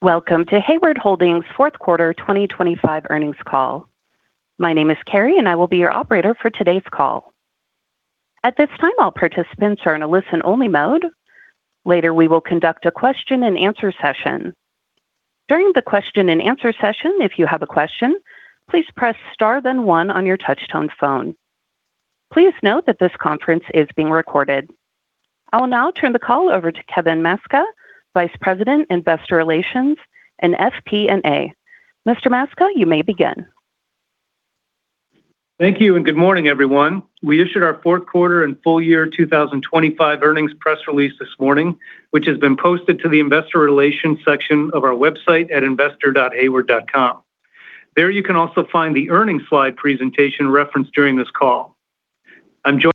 Welcome to Hayward Holdings' fourth quarter 2025 earnings call. My name is Carrie, I will be your operator for today's call. At this time, all participants are in a listen-only mode. Later, we will conduct a question-and-answer session. During the question-and-answer session, if you have a question, please press star, then one on your touchtone phone. Please note that this conference is being recorded. I will now turn the call over to Kevin Maczka, Vice President, Investor Relations and FP&A. Mr. Maczka, you may begin. Thank you. Good morning, everyone. We issued our fourth quarter and full year 2025 earnings press release this morning, which has been posted to the Investor Relations section of our website at investor.hayward.com. There you can also find the earnings slide presentation referenced during this call. I'm joined...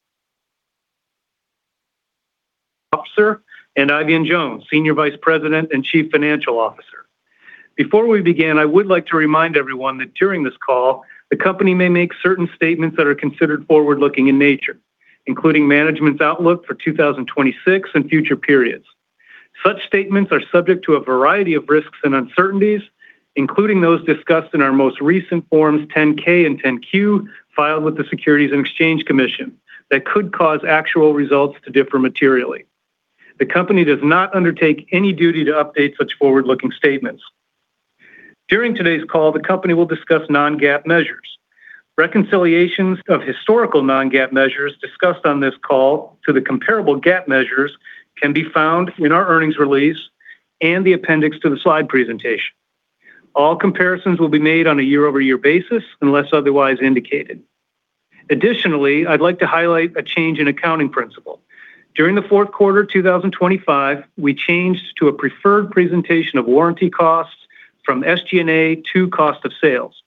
Officer and Ewan Jones, Senior Vice President and Chief Financial Officer. Before we begin, I would like to remind everyone that during this call, the company may make certain statements that are considered forward-looking in nature, including management's outlook for 2026 and future periods. Such statements are subject to a variety of risks and uncertainties, including those discussed in our most recent Form 10-K and Form 10-Q, filed with the Securities and Exchange Commission, that could cause actual results to differ materially. The company does not undertake any duty to update such forward-looking statements. During today's call, the company will discuss non-GAAP measures. Reconciliations of historical non-GAAP measures discussed on this call to the comparable GAAP measures can be found in our earnings release and the appendix to the slide presentation. All comparisons will be made on a year-over-year basis, unless otherwise indicated. I'd like to highlight a change in accounting principle. During the fourth quarter 2025, we changed to a preferred presentation of warranty costs from SG&A to cost of sales.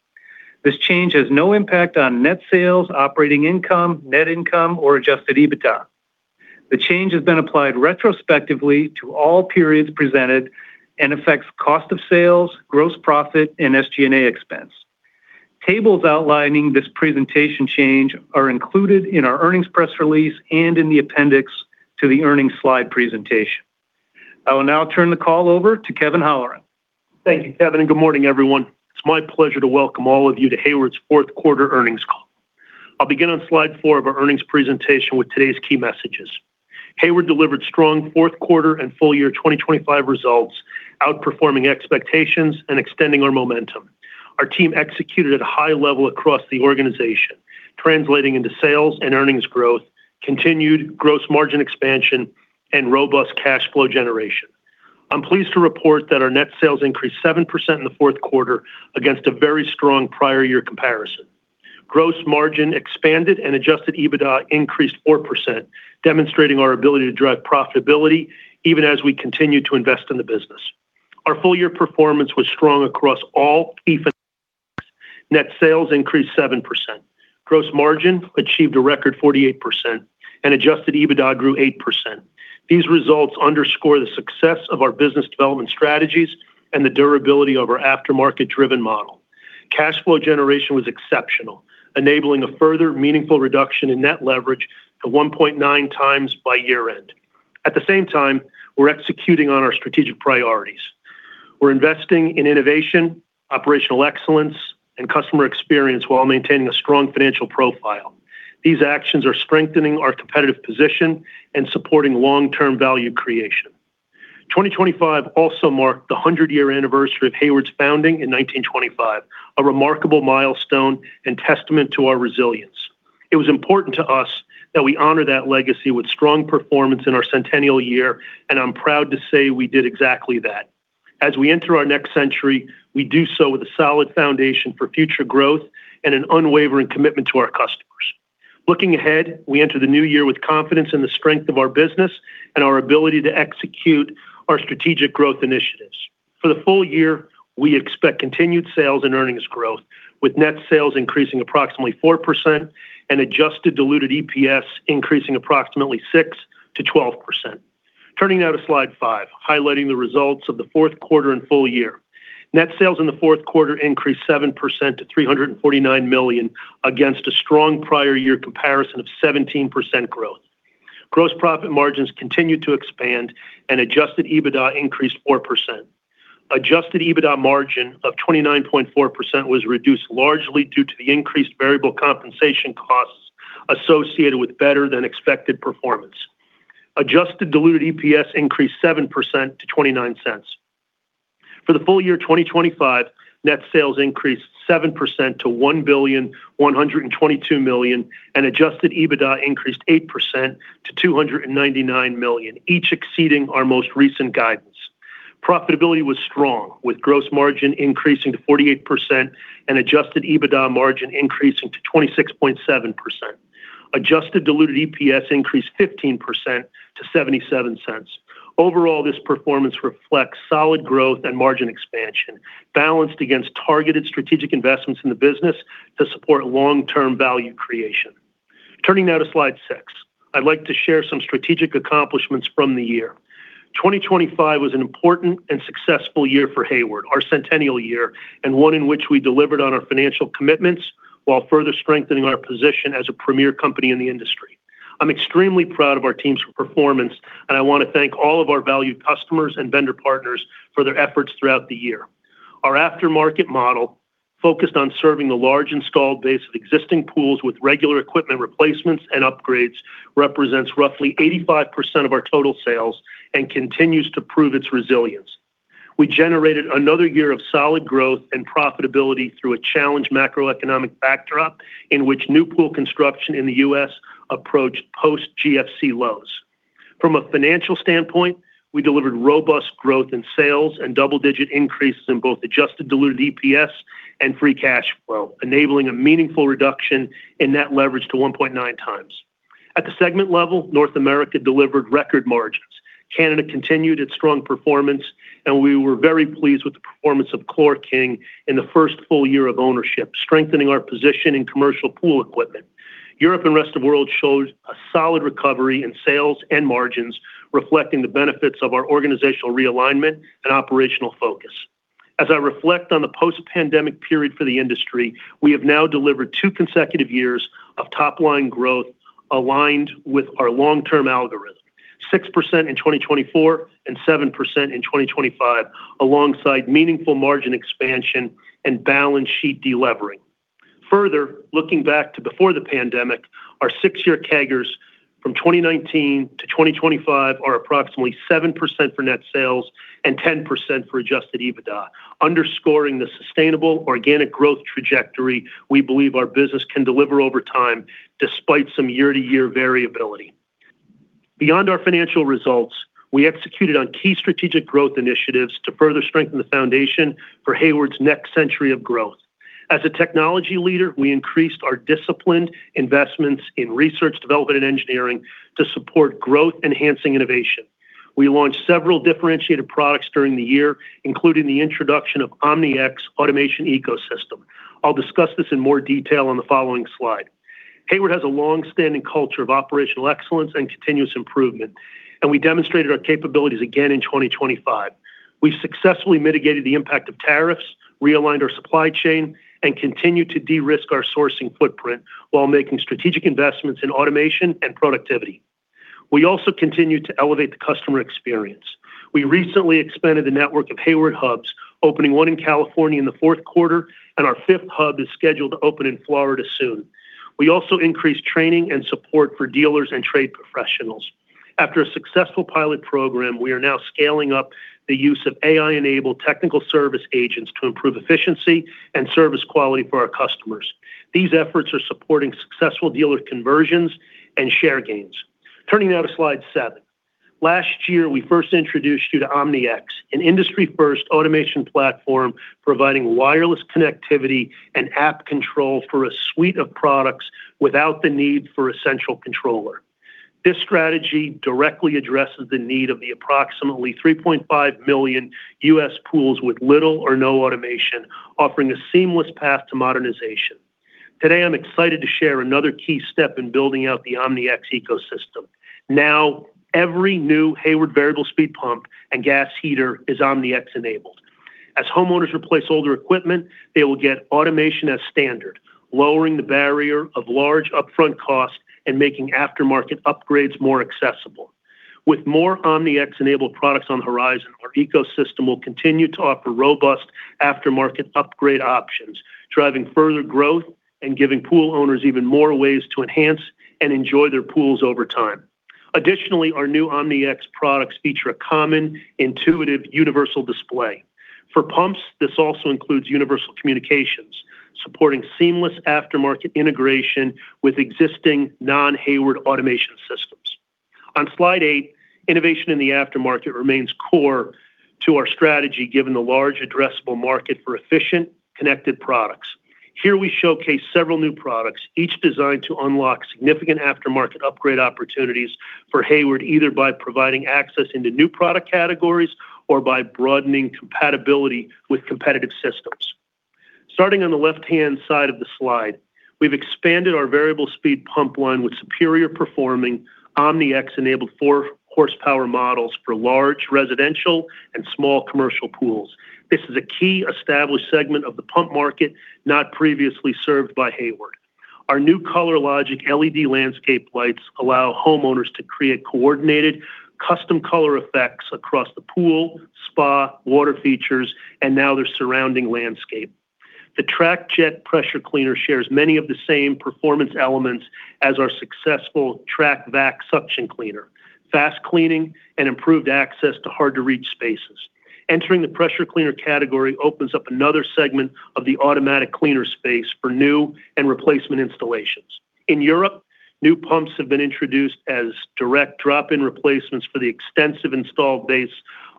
This change has no impact on net sales, operating income, net income, or Adjusted EBITDA. The change has been applied retrospectively to all periods presented and affects cost of sales, gross profit, and SG&A expense. Tables outlining this presentation change are included in our earnings press release and in the appendix to the earnings slide presentation. I will now turn the call over to Kevin Holleran. Thank you, Kevin, and good morning, everyone. It's my pleasure to welcome all of you to Hayward's fourth quarter earnings call. I'll begin on Slide 4 of our earnings presentation with today's key messages. Hayward delivered strong fourth quarter and full year 2025 results, outperforming expectations and extending our momentum. Our team executed at a high level across the organization, translating into sales and earnings growth, continued gross margin expansion, and robust cash flow generation. I'm pleased to report that our net sales increased 7% in the fourth quarter against a very strong prior year comparison. Gross margin expanded and Adjusted EBITDA increased 4%, demonstrating our ability to drive profitability even as we continue to invest in the business. Net sales increased 7%. Gross margin achieved a record 48%, and Adjusted EBITDA grew 8%. These results underscore the success of our business development strategies and the durability of our aftermarket-driven model. Cash flow generation was exceptional, enabling a further meaningful reduction in net leverage to 1.9x by year-end. At the same time, we're executing on our strategic priorities. We're investing in innovation, operational excellence, and customer experience while maintaining a strong financial profile. These actions are strengthening our competitive position and supporting long-term value creation. 2025 also marked the 100-year anniversary of Hayward's founding in 1925, a remarkable milestone and testament to our resilience. It was important to us that we honor that legacy with strong performance in our centennial year. I'm proud to say we did exactly that. As we enter our next century, we do so with a solid foundation for future growth and an unwavering commitment to our customers. Looking ahead, we enter the new year with confidence in the strength of our business and our ability to execute our strategic growth initiatives. For the full year, we expect continued sales and earnings growth, with net sales increasing approximately 4% and adjusted diluted EPS increasing approximately 6%-12%. Turning now to Slide 5, highlighting the results of the 4th quarter and full year. Net sales in the 4th quarter increased 7% to $349 million against a strong prior year comparison of 17% growth. Gross profit margins continued to expand and Adjusted EBITDA increased 4%. Adjusted EBITDA margin of 29.4% was reduced largely due to the increased variable compensation costs associated with better-than-expected performance. Adjusted diluted EPS increased 7% to $0.29. For the full year 2025, net sales increased 7% to $1.122 billion, and Adjusted EBITDA increased 8% to $299 million, each exceeding our most recent guidance. Profitability was strong, with gross margin increasing to 48% and Adjusted EBITDA margin increasing to 26.7%. Adjusted diluted EPS increased 15% to $0.77. Overall, this performance reflects solid growth and margin expansion, balanced against targeted strategic investments in the business to support long-term value creation. Turning now to Slide 6, I'd like to share some strategic accomplishments from the year. 2025 was an important and successful year for Hayward, our centennial year, and one in which we delivered on our financial commitments while further strengthening our position as a premier company in the industry. I'm extremely proud of our team's performance, and I want to thank all of our valued customers and vendor partners for their efforts throughout the year. Our aftermarket model, focused on serving the large installed base of existing pools with regular equipment replacements and upgrades, represents roughly 85% of our total sales and continues to prove its resilience. We generated another year of solid growth and profitability through a challenged macroeconomic backdrop, in which new pool construction in the U.S. approached post-GFC lows. From a financial standpoint, we delivered robust growth in sales and double-digit increases in both adjusted diluted EPS and free cash flow, enabling a meaningful reduction in net leverage to 1.9x. At the segment level, North America delivered record margins. Canada continued its strong performance, and we were very pleased with the performance of ChlorKing in the first full year of ownership, strengthening our position in commercial pool equipment. Europe and rest of world showed a solid recovery in sales and margins, reflecting the benefits of our organizational realignment and operational focus. As I reflect on the post-pandemic period for the industry, we have now delivered two consecutive years of top-line growth aligned with our long-term algorithm, 6% in 2024 and 7% in 2025, alongside meaningful margin expansion and balance sheet de-levering. Further, looking back to before the pandemic, our six-year CAGRs from 2019 to 2025 are approximately 7% for net sales and 10% for Adjusted EBITDA, underscoring the sustainable organic growth trajectory we believe our business can deliver over time, despite some year-to-year variability. Beyond our financial results, we executed on key strategic growth initiatives to further strengthen the foundation for Hayward's next century of growth. As a technology leader, we increased our disciplined investments in research, development, and engineering to support growth-enhancing innovation. We launched several differentiated products during the year, including the introduction of OmniX automation ecosystem. I'll discuss this in more detail on the following slide. Hayward has a long-standing culture of operational excellence and continuous improvement, and we demonstrated our capabilities again in 2025. We've successfully mitigated the impact of tariffs, realigned our supply chain, and continued to de-risk our sourcing footprint while making strategic investments in automation and productivity. We also continued to elevate the customer experience. We recently expanded the network of Hayward hubs, opening one in California in the fourth quarter, and our fifth hub is scheduled to open in Florida soon. We also increased training and support for dealers and trade professionals. After a successful pilot program, we are now scaling up the use of AI-enabled technical service agents to improve efficiency and service quality for our customers. These efforts are supporting successful dealer conversions and share gains. Turning now to Slide 7. Last year, we first introduced you to OmniX, an industry-first automation platform providing wireless connectivity and app control for a suite of products without the need for a central controller. This strategy directly addresses the need of the approximately 3.5 million U.S. pools with little or no automation, offering a seamless path to modernization. Today, I'm excited to share another key step in building out the OmniX ecosystem. Now, every new Hayward variable speed pump and gas heater is OmniX-enabled. As homeowners replace older equipment, they will get automation as standard, lowering the barrier of large upfront costs and making aftermarket upgrades more accessible. With more OmniX-enabled products on the horizon, our ecosystem will continue to offer robust aftermarket upgrade options, driving further growth and giving pool owners even more ways to enhance and enjoy their pools over time. Additionally, our new OmniX products feature a common, intuitive, universal display. For pumps, this also includes universal communications, supporting seamless aftermarket integration with existing non-Hayward automation systems. On Slide 8, innovation in the aftermarket remains core to our strategy, given the large addressable market for efficient, connected products. Here we showcase several new products, each designed to unlock significant aftermarket upgrade opportunities for Hayward, either by providing access into new product categories or by broadening compatibility with competitive systems. Starting on the left-hand side of the slide, we've expanded our variable speed pump line with superior performing OmniX-enabled 4 hp models for large residential and small commercial pools. This is a key established segment of the pump market, not previously served by Hayward. Our new ColorLogic LED landscape lights allow homeowners to create coordinated, custom color effects across the pool, spa, water features, and now their surrounding landscape. The TracJet pressure cleaner shares many of the same performance elements as our successful TracVac suction cleaner, fast cleaning and improved access to hard-to-reach spaces. Entering the pressure cleaner category opens up another segment of the automatic cleaner space for new and replacement installations. In Europe, new pumps have been introduced as direct drop-in replacements for the extensive installed base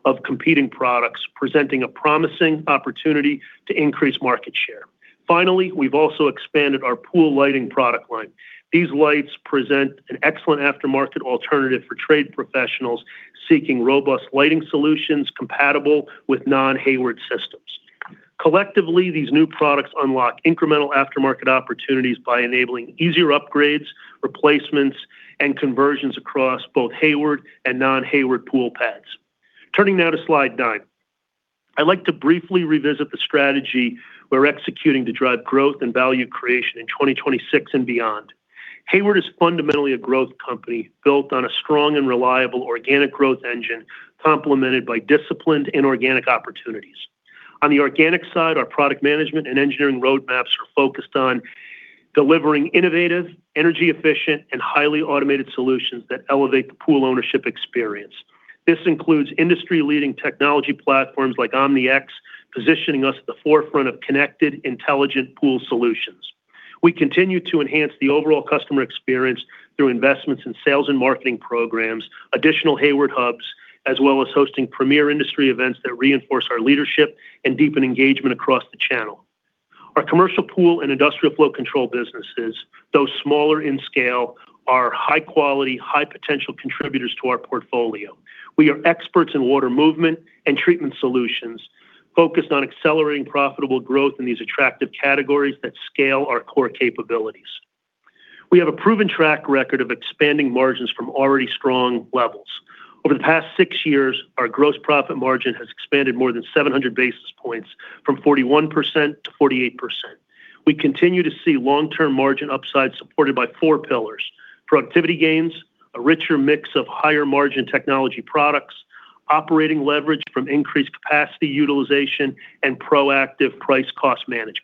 of competing products, presenting a promising opportunity to increase market share. Finally, we've also expanded our pool lighting product line. These lights present an excellent aftermarket alternative for trade professionals seeking robust lighting solutions compatible with non-Hayward systems. Collectively, these new products unlock incremental aftermarket opportunities by enabling easier upgrades, replacements, and conversions across both Hayward and non-Hayward pool pads. Turning now to Slide 9. I'd like to briefly revisit the strategy we're executing to drive growth and value creation in 2026 and beyond. Hayward is fundamentally a growth company built on a strong and reliable organic growth engine, complemented by disciplined inorganic opportunities. On the organic side, our product management and engineering roadmaps are focused on delivering innovative, energy-efficient, and highly automated solutions that elevate the pool ownership experience. This includes industry-leading technology platforms like OmniX, positioning us at the forefront of connected, intelligent pool solutions. We continue to enhance the overall customer experience through investments in sales and marketing programs, additional Hayward hubs, as well as hosting premier industry events that reinforce our leadership and deepen engagement across the channel. Our commercial pool and industrial flow control businesses, though smaller in scale, are high-quality, high-potential contributors to our portfolio. We are experts in water movement and treatment solutions, focused on accelerating profitable growth in these attractive categories that scale our core capabilities. We have a proven track record of expanding margins from already strong levels. Over the past six years, our gross profit margin has expanded more than 700 basis points, from 41% to 48%. We continue to see long-term margin upside, supported by four pillars: productivity gains, a richer mix of higher-margin technology products, operating leverage from increased capacity utilization, and proactive price-cost management.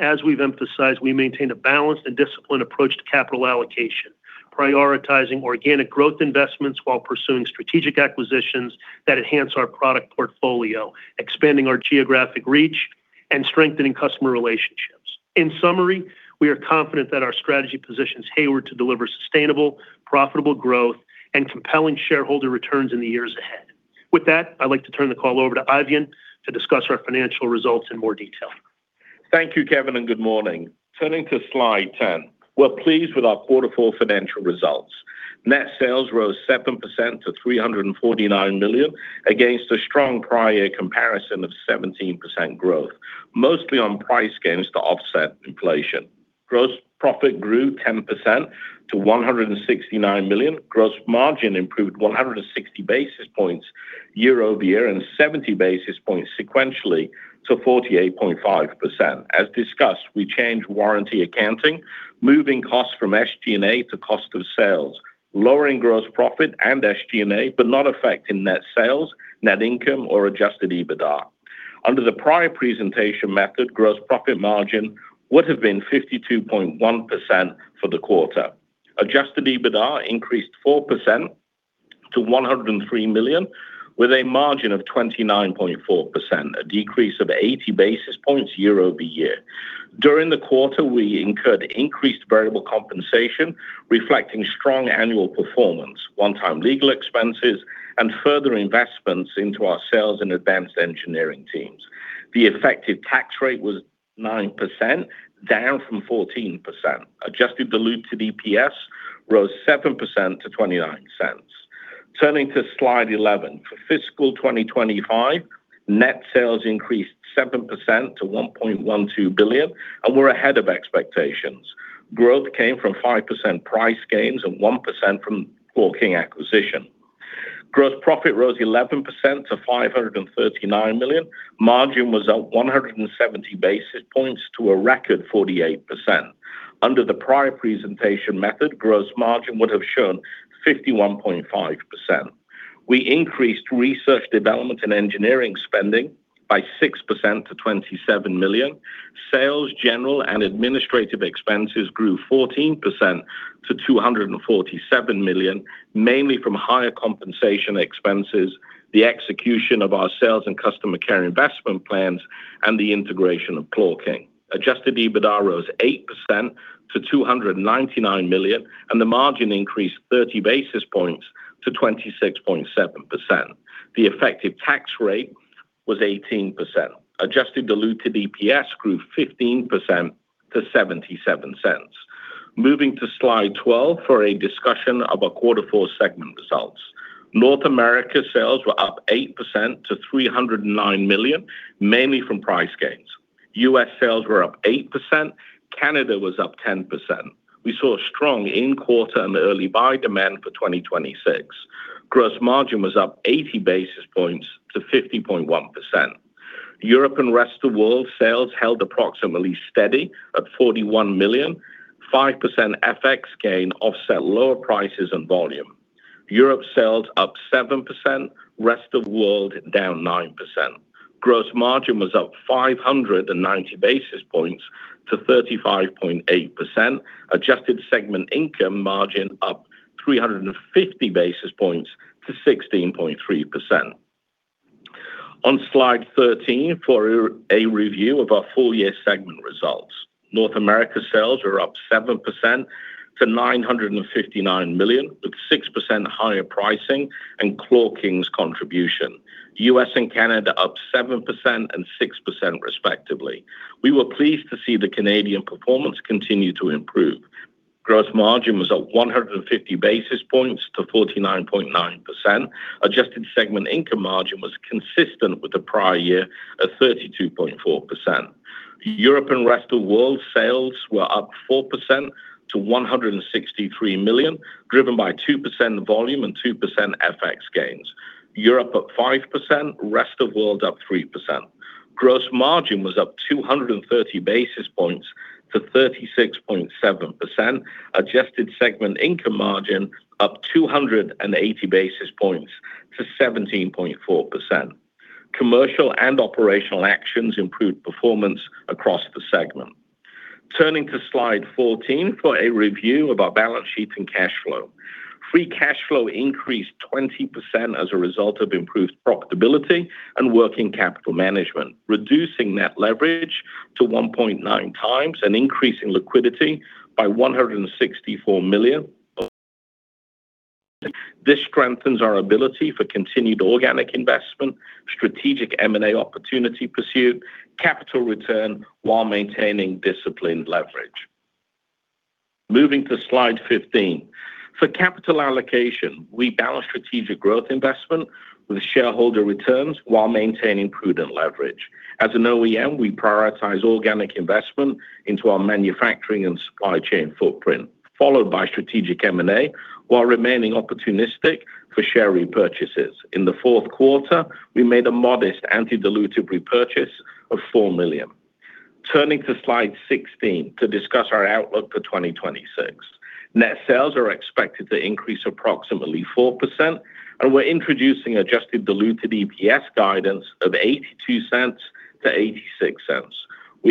As we've emphasized, we maintain a balanced and disciplined approach to capital allocation, prioritizing organic growth investments while pursuing strategic acquisitions that enhance our product portfolio, expanding our geographic reach, and strengthening customer relationships. We are confident that our strategy positions Hayward to deliver sustainable, profitable growth, and compelling shareholder returns in the years ahead. I'd like to turn the call over to Ewan to discuss our financial results in more detail. Thank you, Kevin. Good morning. Turning to Slide 10. We're pleased with our quarter four financial results. Net sales rose 7% to $349 million, against a strong prior year comparison of 17% growth, mostly on price gains to offset inflation. Gross profit grew 10% to $169 million. Gross margin improved 160 basis points year-over-year and 70 basis points sequentially to 48.5%. As discussed, we changed warranty accounting, moving costs from SG&A to cost of sales, lowering gross profit and SG&A, but not affecting net sales, net income, or Adjusted EBITDA. Under the prior presentation method, gross profit margin would have been 52.1% for the quarter. Adjusted EBITDA increased 4% to $103 million, with a margin of 29.4%, a decrease of 80 basis points year-over-year. During the quarter, we incurred increased variable compensation, reflecting strong annual performance, one-time legal expenses, and further investments into our sales and advanced engineering teams. The effective tax rate was 9%, down from 14%. Adjusted diluted EPS rose 7% to $0.29. Turning to Slide 11. For fiscal 2025, net sales increased 7% to $1.12 billion, and we're ahead of expectations. Growth came from 5% price gains and 1% from ChlorKing acquisition. Gross profit rose 11% to $539 million. Margin was up 170 basis points to a record 48%. Under the prior presentation method, gross margin would have shown 51.5%. We increased research, development, and engineering spending by 6% to $27 million. Sales, General, and Administrative expenses grew 14% to $247 million, mainly from higher compensation expenses, the execution of our sales and customer care investment plans, and the integration of ChlorKing. Adjusted EBITDA rose 8% to $299 million, and the margin increased 30 basis points to 26.7%. The effective tax rate was 18%. Adjusted diluted EPS grew 15% to $0.77. Moving to Slide 12 for a discussion of our quarter four segment results. North America sales were up 8% to $309 million, mainly from price gains. U.S. sales were up 8%, Canada was up 10%. We saw a strong in-quarter and early buy demand for 2026. Gross margin was up 80 basis points to 50.1%. Europe and rest of world sales held approximately steady at $41 million. 5% FX gain offset lower prices and volume. Europe sales up 7%, rest of world down 9%. Gross margin was up 590 basis points to 35.8%. Adjusted segment income margin up 350 basis points to 16.3%. On Slide 13, for a review of our full-year segment results. North America sales are up 7% to $959 million, with 6% higher pricing and ChlorKing's contribution. U.S. and Canada up 7% and 6% respectively. We were pleased to see the Canadian performance continue to improve. Gross margin was up 150 basis points to 49.9%. Adjusted segment income margin was consistent with the prior year at 32.4%. Europe and rest of world sales were up 4% to $163 million, driven by 2% volume and 2% FX gains. Europe up 5%, rest of world up 3%. Gross margin was up 230 basis points to 36.7%. Adjusted segment income margin up 280 basis points to 17.4%. Commercial and operational actions improved performance across the segment. Turning to Slide 14 for a review of our balance sheet and cash flow. Free cash flow increased 20% as a result of improved profitability and working capital management, reducing net leverage to 1.9x and increasing liquidity by $164 million. This strengthens our ability for continued organic investment, strategic M&A opportunity pursuit, capital return, while maintaining disciplined leverage. Moving to Slide 15. For capital allocation, we balance strategic growth investment with shareholder returns while maintaining prudent leverage. As an OEM, we prioritize organic investment into our manufacturing and supply chain footprint, followed by strategic M&A, while remaining opportunistic for share repurchases. In the fourth quarter, we made a modest anti-dilutive repurchase of $4 million. Turning to Slide 16 to discuss our outlook for 2026. Net sales are expected to increase approximately 4%. We're introducing adjusted diluted EPS guidance of $0.82-$0.86. We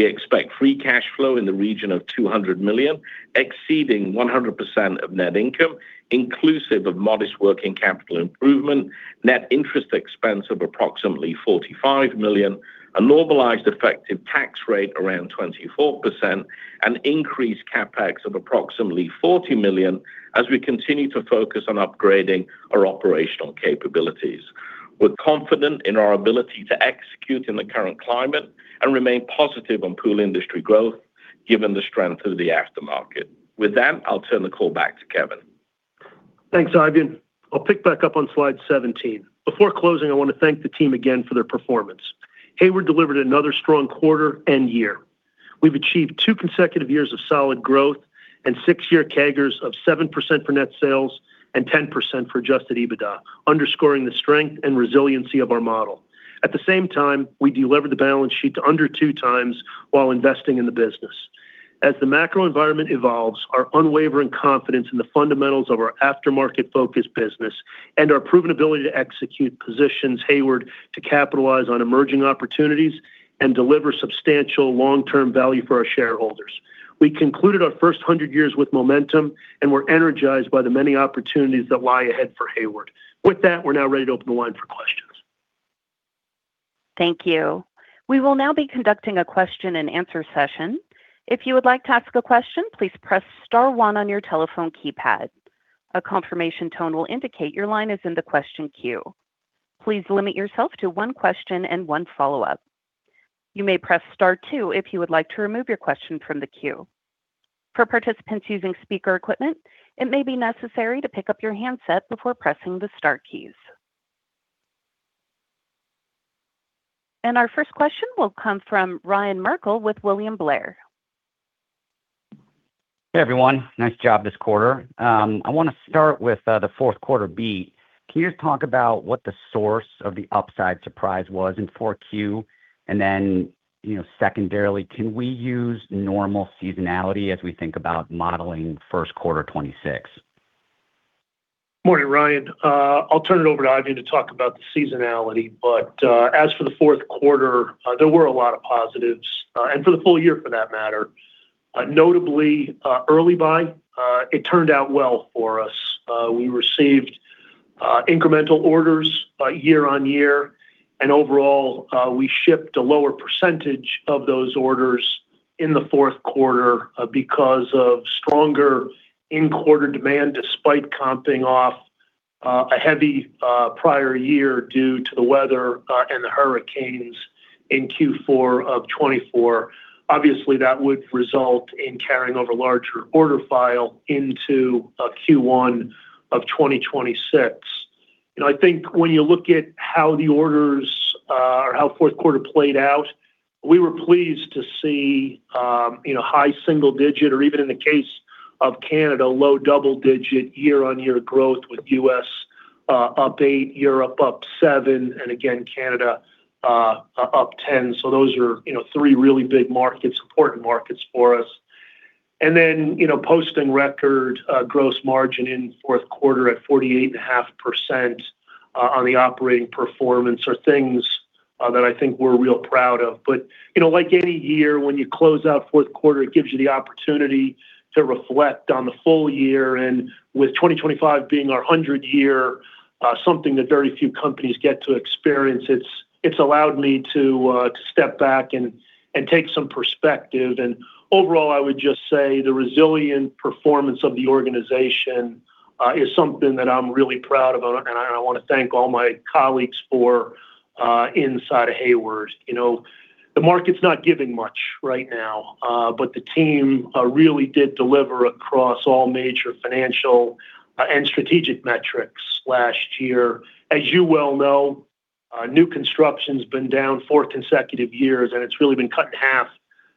expect free cash flow in the region of $200 million, exceeding 100% of net income, inclusive of modest working capital improvement, net interest expense of approximately $45 million, a normalized effective tax rate around 24%, and increased CapEx of approximately $40 million as we continue to focus on upgrading our operational capabilities. We're confident in our ability to execute in the current climate and remain positive on pool industry growth, given the strength of the aftermarket. With that, I'll turn the call back to Kevin. Thanks, Ewan. I'll pick back up on Slide 17. Before closing, I want to thank the team again for their performance. Hayward delivered another strong quarter end year. We've achieved two consecutive years of solid growth and six-year CAGRs of 7% for net sales and 10% for Adjusted EBITDA, underscoring the strength and resiliency of our model. At the same time, we delivered the balance sheet to under two times while investing in the business. As the macro environment evolves, our unwavering confidence in the fundamentals of our aftermarket-focused business and our proven ability to execute positions Hayward to capitalize on emerging opportunities and deliver substantial long-term value for our shareholders. We concluded our first 100 years with momentum, and we're energized by the many opportunities that lie ahead for Hayward. With that, we're now ready to open the line for questions. Thank you. We will now be conducting a question-and-answer session. If you would like to ask a question, please press star one on your telephone keypad. A confirmation tone will indicate your line is in the question queue. Please limit yourself to one question and one follow-up. You may press star two if you would like to remove your question from the queue. For participants using speaker equipment, it may be necessary to pick up your handset before pressing the star keys. Our first question will come from Ryan Merkel with William Blair. Hey, everyone. Nice job this quarter. I wanna start with the fourth quarter beat. Can you just talk about what the source of the upside surprise was in 4Q? Then, you know, secondarily, can we use normal seasonality as we think about modeling first quarter 2026? Morning, Ryan. I'll turn it over to Ewan to talk about the seasonality, but as for the fourth quarter, there were a lot of positives, and for the full year, for that matter. Notably, early buy, it turned out well for us. We received incremental orders year-on-year, and overall, we shipped a lower percentage of those orders in the fourth quarter, because of stronger in-quarter demand, despite comping off a heavy prior year due to the weather, and the hurricanes in Q4 of 2024. Obviously, that would result in carrying over larger order file into Q1 of 2026. I think when you look at how the orders, or how fourth quarter played out, we were pleased to see, you know, high single digit, or even in the case of Canada, low double-digit year-on-year growth, with U.S. up eight, Europe up seven, and again, Canada up 10. Those are, you know, three really big markets, important markets for us. You know, posting record gross margin in fourth quarter at 48.5%, on the operating performance are things that I think we're real proud of. You know, like any year, when you close out fourth quarter, it gives you the opportunity to reflect on the full year. With 2025 being our 100-year, something that very few companies get to experience, it's allowed me to step back and take some perspective. Overall, I would just say the resilient performance of the organization is something that I'm really proud about, and I wanna thank all my colleagues for inside of Hayward. You know, the market's not giving much right now, but the team really did deliver across all major financial and strategic metrics last year. As you well know, new construction's been down four consecutive years, and it's really been cut in half.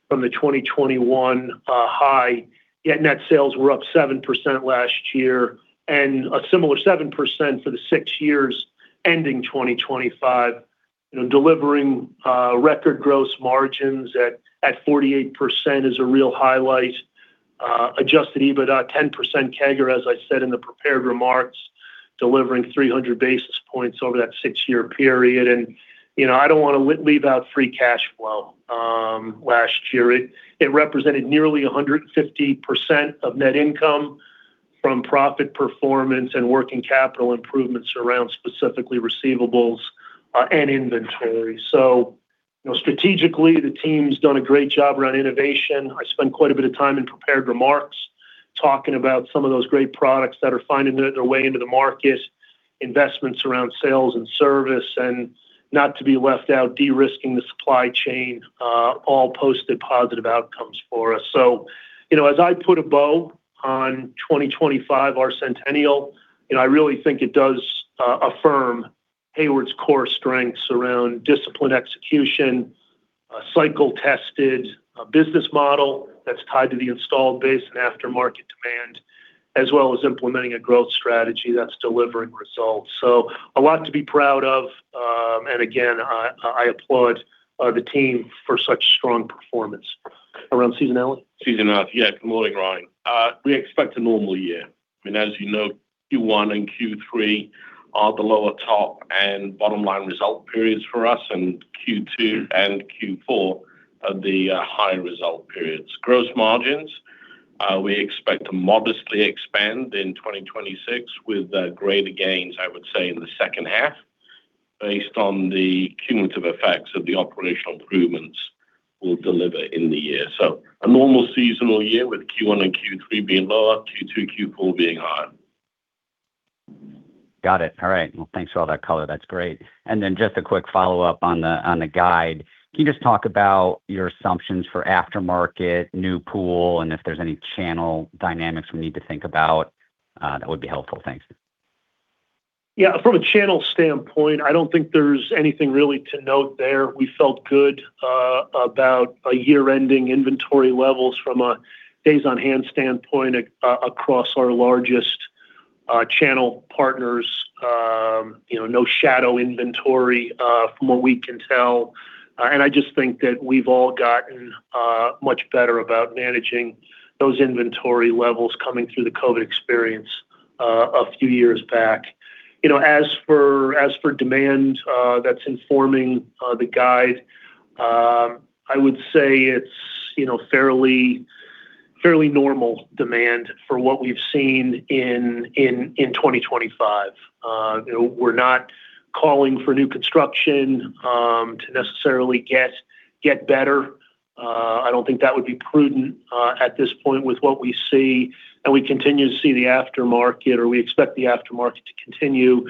From the 2021 high, yet net sales were up 7% last year and a similar 7% for the six years ending 2025. You know, delivering record gross margins at 48% is a real highlight. Adjusted EBITDA 10% CAGR, as I said in the prepared remarks, delivering 300 basis points over that six-year period. You know, I don't wanna leave out free cash flow. Last year, it represented nearly 150% of net income from profit performance and working capital improvements around specifically receivables and inventory. You know, strategically, the team's done a great job around innovation. I spent quite a bit of time in prepared remarks talking about some of those great products that are finding their way into the market, investments around sales and service, and not to be left out, de-risking the supply chain, all posted positive outcomes for us. You know, as I put a bow on 2025, our centennial, you know, I really think it does affirm Hayward's core strengths around disciplined execution, a cycle-tested business model that's tied to the installed base and aftermarket demand, as well as implementing a growth strategy that's delivering results. A lot to be proud of, and again, I applaud the team for such strong performance. Around seasonality? Seasonality. Yeah. Good morning, Ryan. We expect a normal year. As you know, Q1 and Q3 are the lower top and bottom line result periods for us. Q2 and Q4 are the high result periods. Gross margins, we expect to modestly expand in 2026, with greater gains, I would say, in the second half, based on the cumulative effects of the operational improvements we'll deliver in the year. A normal seasonal year, with Q1 and Q3 being lower, Q2, Q4 being higher. Got it. All right. Well, thanks for all that color. That's great. Just a quick follow-up on the guide. Can you just talk about your assumptions for aftermarket, new pool, and if there's any channel dynamics we need to think about, that would be helpful. Thanks. Yeah. From a channel standpoint, I don't think there's anything really to note there. We felt good about a year-ending inventory levels from a days-on-hand standpoint across our largest channel partners. You know, no shadow inventory from what we can tell. I just think that we've all gotten much better about managing those inventory levels coming through the COVID experience a few years back. You know, as for demand that's informing the guide, I would say it's, you know, fairly normal demand for what we've seen in 2025. You know, we're not calling for new construction to necessarily get better. I don't think that would be prudent at this point with what we see, and we continue to see the aftermarket, or we expect the aftermarket to continue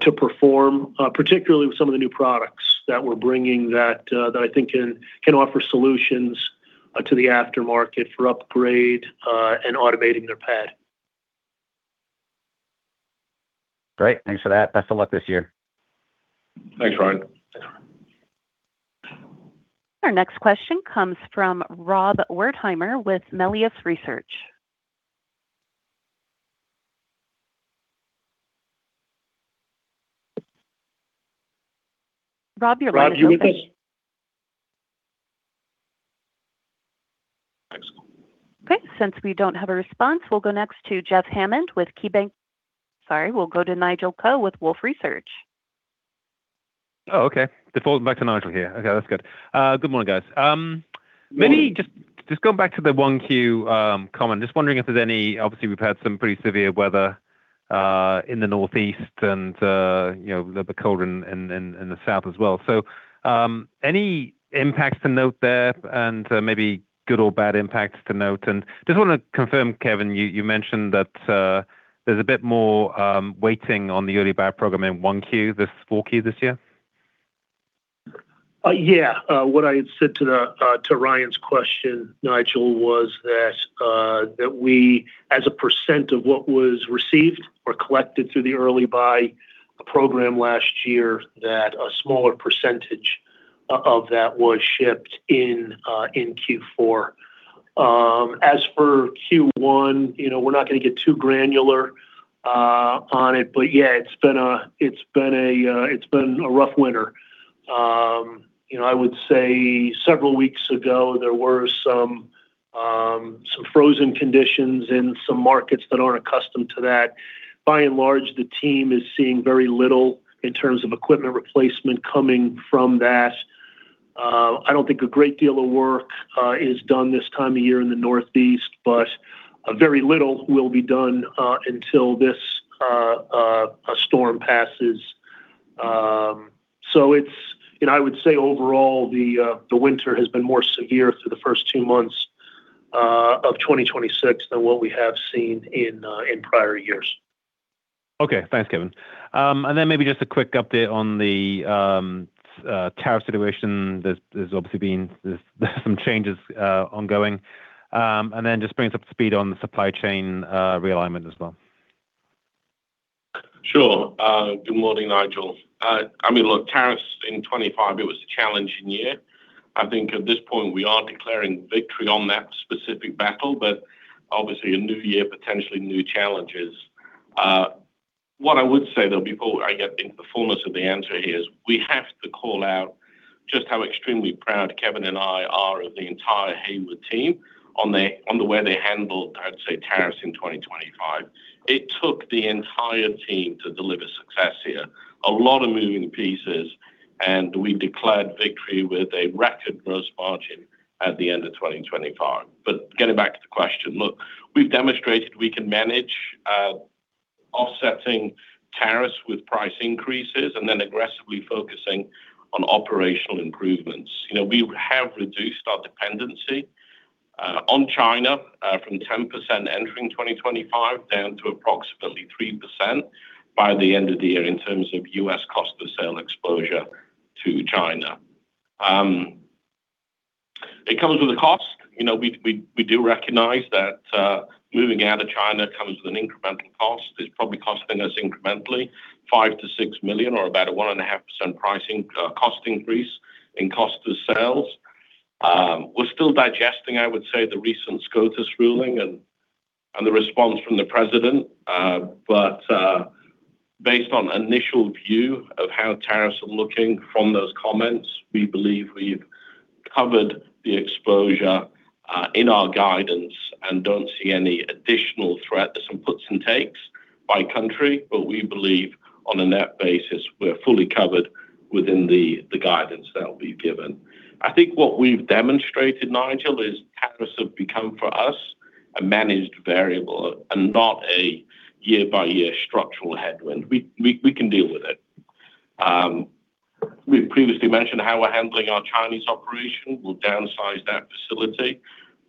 to perform, particularly with some of the new products that we're bringing that I think can offer solutions to the aftermarket for upgrade and automating their pad. Great. Thanks for that. Best of luck this year. Thanks, Ryan. Our next question comes from Rob Wertheimer with Melius Research. Rob. Rob, you with us? Okay, since we don't have a response, we'll go next to Jeff Hammond with KeyBank. Sorry, we'll go to Nigel Coe with Wolfe Research. Oh, okay. Default back to Nigel here. Okay, that's good. Good morning, guys. Maybe just going back to the 1Q comment, just wondering if there's any. Obviously, we've had some pretty severe weather in the Northeast and, you know, the cold in the South as well. Any impacts to note there and maybe good or bad impacts to note? Just wanna confirm, Kevin, you mentioned that there's a bit more waiting on the early buy program in 1Q, this 4Q this year? Yeah. What I had said to Ryan's question, Nigel, was that we, as a percent of what was received or collected through the early buy program last year, that a smaller percentage of that was shipped in Q4. As for Q1, you know, we're not gonna get too granular on it, but yeah, it's been a rough winter. You know, I would say several weeks ago there were some frozen conditions in some markets that aren't accustomed to that. By and large, the team is seeing very little in terms of equipment replacement coming from that. I don't think a great deal of work is done this time of year in the Northeast, but very little will be done until this storm passes. It's, you know, I would say overall, the winter has been more severe through the first two months of 2026 than what we have seen in prior years. Okay. Thanks, Kevin. Maybe just a quick update on the tariff situation. There's obviously been some changes ongoing. Just bring us up to speed on the supply chain realignment as well. Sure. Good morning, Nigel. I mean, look, tariffs in 2025, it was a challenging year. I think at this point we are declaring victory on that specific battle, but obviously a new year, potentially new challenges. What I would say, though, before I get into the fullness of the answer here, is we have to call out just how extremely proud Kevin and I are of the entire Hayward team on the way they handled, I'd say, tariffs in 2025. It took the entire team to deliver success here, a lot of moving pieces. We declared victory with a record gross margin at the end of 2025. Getting back to the question, look, we've demonstrated we can manage offsetting tariffs with price increases and then aggressively focusing on operational improvements. You know, we have reduced our dependency on China, from 10% entering 2025, down to approximately 3% by the end of the year in terms of U.S. cost of sale exposure to China. It comes with a cost. You know, we do recognize that moving out of China comes with an incremental cost. It's probably costing us incrementally, $5 million-$6 million or about a 1.5% pricing cost increase in cost of sales. We're still digesting, I would say, the recent SCOTUS ruling and the response from the president. Based on initial view of how tariffs are looking from those comments, we believe we've covered the exposure in our guidance and don't see any additional threat. There's some puts and takes by country, but we believe on a net basis, we're fully covered within the guidance that we've given. I think what we've demonstrated, Nigel, is tariffs have become, for us, a managed variable and not a year-by-year structural headwind. We can deal with it. We've previously mentioned how we're handling our Chinese operation. We'll downsize that facility.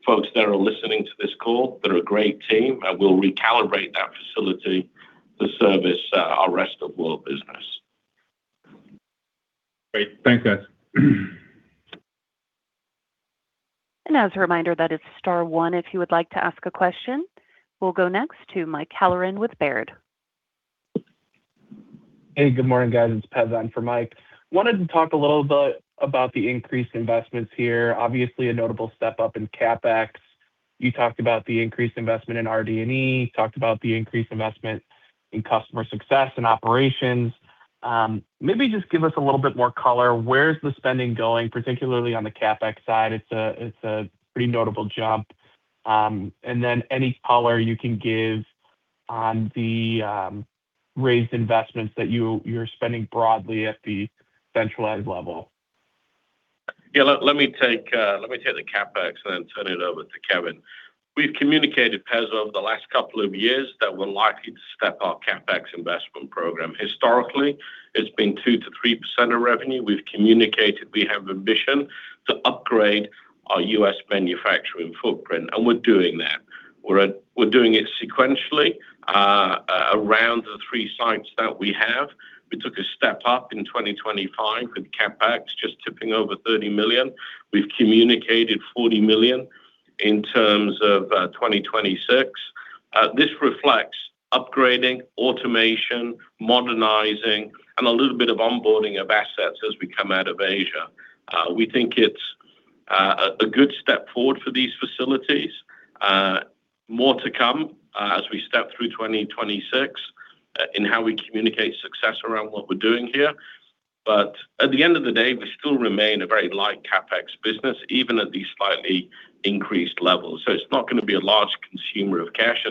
Folks that are listening to this call that are a great team, and we'll recalibrate that facility to service our rest of world business. Great. Thanks, guys. As a reminder, that is star one if you would like to ask a question. We'll go next to Mike Halloran with Baird. Hey, good morning, guys. It's Pez in for Mike. Wanted to talk a little bit about the increased investments here. Obviously, a notable step up in CapEx. You talked about the increased investment in RD&E, you talked about the increased investment in customer success and operations. Maybe just give us a little bit more color. Where's the spending going, particularly on the CapEx side? It's a pretty notable jump. Any color you can give on the raised investments that you're spending broadly at the centralized level? Yeah. Let me take the CapEx and then turn it over to Kevin. We've communicated, Pez, over the last couple of years that we're likely to step up CapEx investment program. Historically, it's been 2%-3% of revenue. We've communicated we have ambition to upgrade our U.S. manufacturing footprint, and we're doing that. We're doing it sequentially around the three sites that we have. We took a step up in 2025, with CapEx just tipping over $30 million. We've communicated $40 million in terms of 2026. This reflects upgrading, automation, modernizing, and a little bit of onboarding of assets as we come out of Asia. We think it's a good step forward for these facilities. More to come, as we step through 2026, in how we communicate success around what we're doing here. At the end of the day, we still remain a very light CapEx business, even at these slightly increased levels. It's not gonna be a large consumer of cash.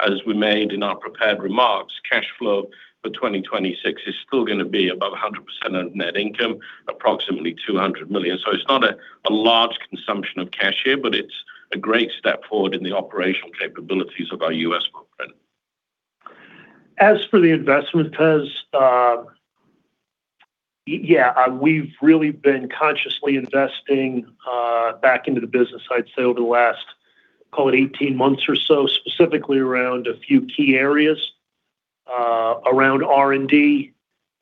As we made in our prepared remarks, cash flow for 2026 is still gonna be above 100% of net income, approximately $200 million. It's not a large consumption of cash here, but it's a great step forward in the operational capabilities of our U.S. footprint. As for the investment, Pez, we've really been consciously investing back into the business, I'd say, over the last, call it 18 months or so, specifically around a few key areas, around R&D,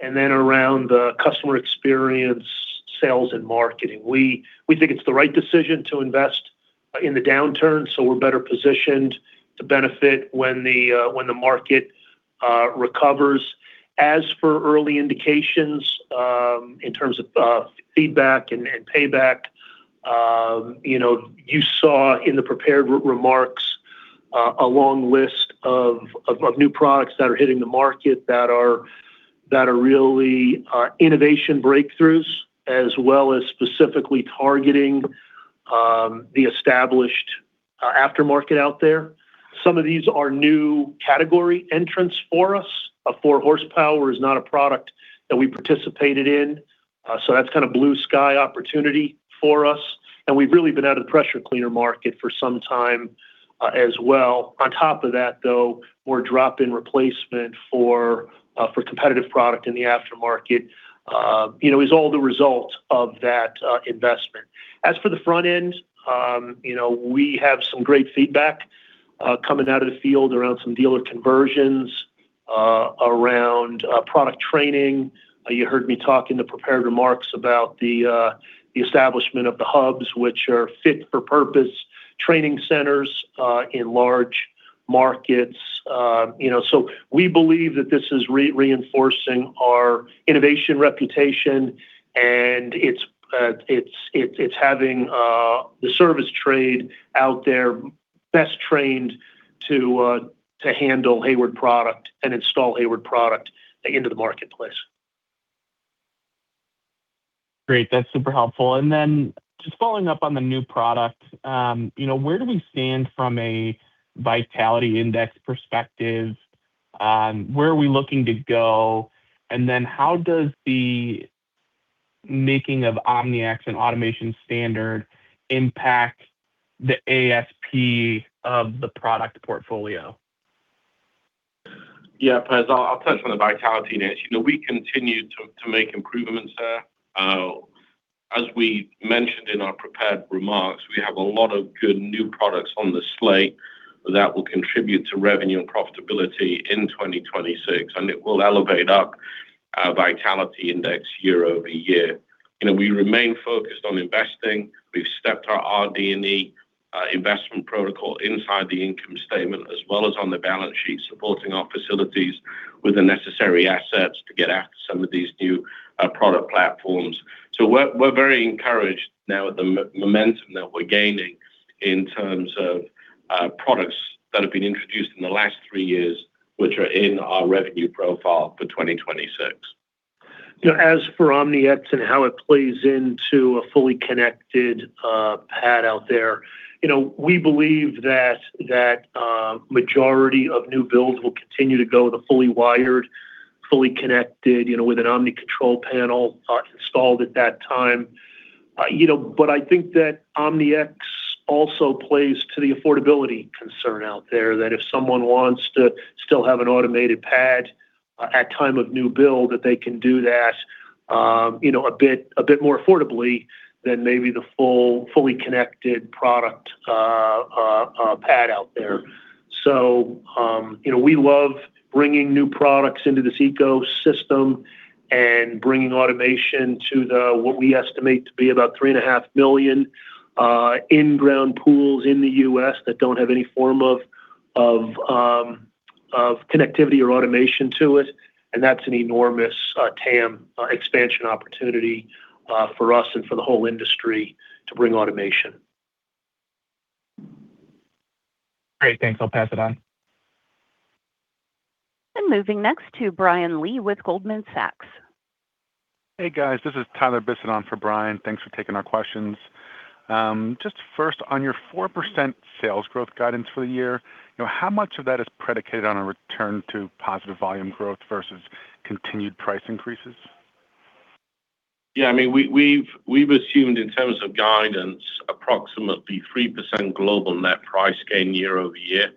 and then around the customer experience, sales and marketing. We think it's the right decision to invest in the downturn, so we're better positioned to benefit when the market recovers. As for early indications, in terms of feedback and payback, you know, you saw in the prepared remarks, a long list of new products that are hitting the market that are really innovation breakthroughs, as well as specifically targeting the established aftermarket out there. Some of these are new category entrants for us. A 4 hp is not a product that we participated in, so that's kind of blue sky opportunity for us, and we've really been out of the pressure cleaner market for some time, as well. On top of that, though, more drop-in replacement for competitive product in the aftermarket, you know, is all the result of that investment. As for the front end, you know, we have some great feedback coming out of the field around some dealer conversions around product training. You heard me talk in the prepared remarks about the establishment of the hubs, which are fit for purpose training centers in large markets. You know, we believe that this is reinforcing our innovation reputation, and it's having the service trade out there best trained to handle Hayward product and install Hayward product into the marketplace. Great. That's super helpful. Just following up on the new product, you know, where do we stand from a Vitality Index perspective? Where are we looking to go? How does the making of OmniX and automation standard impact the ASP of the product portfolio? Yeah, Pez, I'll touch on the vitality niche. You know, we continue to make improvements there. As we mentioned in our prepared remarks, we have a lot of good new products on the slate that will contribute to revenue and profitability in 2026, and it will elevate up our Vitality Index year-over-year. You know, we remain focused on investing. We've stepped our RD&E investment protocol inside the income statement, as well as on the balance sheet, supporting our facilities with the necessary assets to get after some of these new product platforms. We're very encouraged now at the momentum that we're gaining in terms of products that have been introduced in the last three years, which are in our revenue profile for 2026. You know, as for OmniX and how it plays into a fully connected pad out there, you know, we believe that majority of new builds will continue to go with a fully wired, fully connected, you know, with an Omni control panel installed at that time. You know, I think that OmniX also plays to the affordability concern out there, that if someone wants to still have an automated pad at time of new build, that they can do that, you know, a bit more affordably than maybe the fully connected product pad out there. You know, we love bringing new products into this ecosystem and bringing automation to the, what we estimate to be about 3.5 million in-ground pools in the U.S. that don't have any form of connectivity or automation to it, and that's an enormous TAM expansion opportunity for us and for the whole industry to bring automation. Great, thanks. I'll pass it on. Moving next to Brian Lee with Goldman Sachs. Hey, guys. This is Tyler Bissette on for Brian. Thanks for taking our questions. Just first, on your 4% sales growth guidance for the year, you know, how much of that is predicated on a return to positive volume growth versus continued price increases? Yeah, I mean, we've assumed in terms of guidance, approximately 3% global net price gain year-over-year